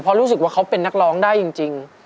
เพราะรู้สึกว่าเขาเป็นนักร้องได้จริง